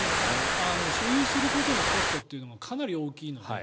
所有することのコストもかなり大きいので。